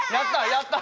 やった！